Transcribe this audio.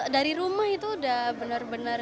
dari rumah itu udah benar benar